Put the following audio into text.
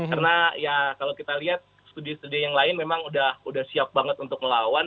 karena ya kalau kita lihat studio studio yang lain memang sudah siap banget untuk melawan